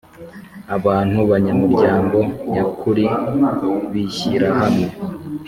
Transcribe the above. Abantu banyamuryango nyakuri b’ishyirahamwe